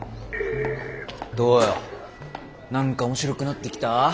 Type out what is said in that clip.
どうよ何か面白くなってきた？